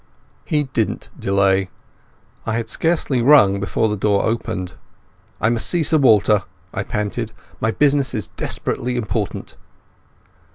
He didn't delay. I had scarcely rung before the door opened. "I must see Sir Walter," I panted. "My business is desperately important."